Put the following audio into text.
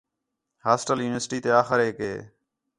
ہاسٹل یونیورسٹی تے آخریک ہِے